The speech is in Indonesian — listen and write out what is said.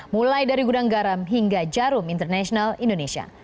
mulai dari gudang garam hingga jarum international indonesia